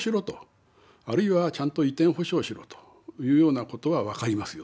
あるいはちゃんと移転補償しろというようなことは分かりますよ